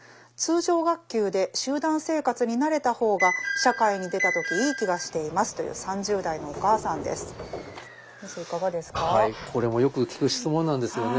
通常学級で集団生活に慣れた方が社会に出た時いい気がしています」という３０代のお母さんです。